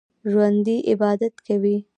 ژوندي عبادت کوي